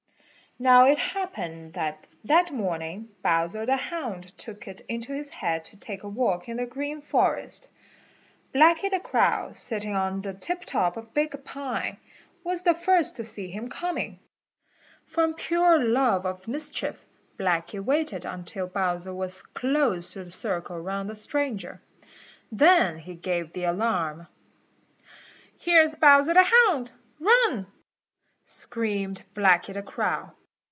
Now it happened that that morning Bowser the Hound took it into his head to take a walk in the Green Forest. Blacky the Crow, sitting on the tip top of a big pine, was the first to see him coming. From pure love of mischief Blacky waited until Bowser was close to the circle around the stranger. Then he gave the alarm. "Here's Bowser the Hound! Run!" screamed Blacky the Crow.